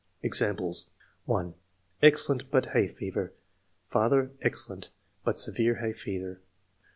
Examples: — 1. "Excellent, but hay fever ; father, excellent, but severe hay fever."